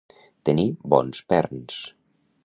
Tenir bons perns.